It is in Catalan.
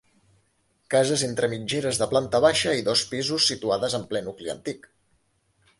Cases entre mitgeres de planta baixa i dos pisos situades en ple nucli antic.